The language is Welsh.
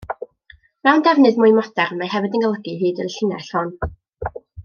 Mewn defnydd mwy modern, mae hefyd yn golygu hyd y llinell hon.